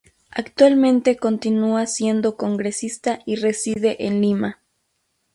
Actualmente continúa siendo congresista y reside en Lima.